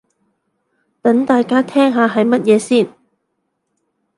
等大家聽下係乜嘢先